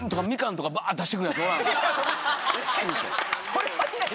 それはない。